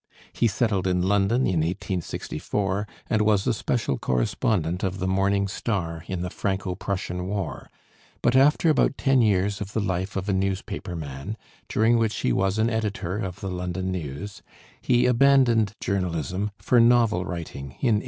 He settled in London in 1864, and was a special correspondent of the Morning Star in the Franco Prussian war, but after about ten years of the life of a newspaper man, during which he was an editor of the London News, he abandoned journalism for novel writing in 1875.